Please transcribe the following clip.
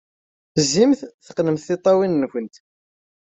Zzimt, teqqnemt tiṭṭawin-nwent.